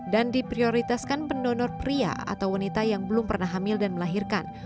dan diprioritaskan pendonor pria atau wanita yang belum pernah hamil dan melahirkan